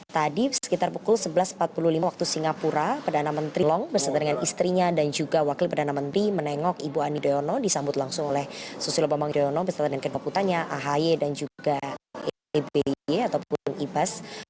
tadi sekitar pukul sebelas empat puluh lima waktu singapura perdana menteri long bersama dengan istrinya dan juga wakil perdana menteri menengok ibu ani doyono disambut langsung oleh susilo bambang yudhoyono beserta dan kedua putranya ahi dan juga eby ataupun ibas